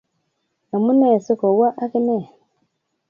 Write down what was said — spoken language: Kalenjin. Amune si ko wa ak ine